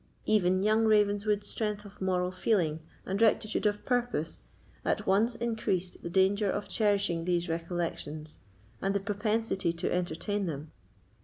Even young Ravenswood's strength of moral feeling and rectitude of purpose at once increased the danger of cherishing these recollections, and the propensity to entertain them.